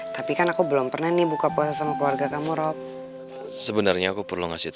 tapi kan aku belum pernah nih buka puasa sama keluarga kamu rob sebenarnya aku perlu ngasih